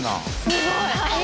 すごい。